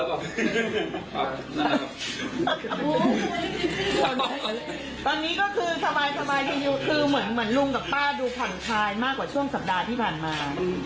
ตอนนี้ก็คือสบายดีคือเหมือนลุงกับป้าดูผ่อนคลายมากกว่าช่วงสัปดาห์ที่ผ่านมา